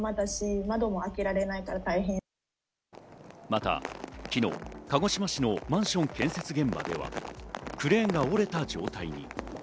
また昨日、鹿児島市のマンション建設現場では、クレーンが折れた状態に。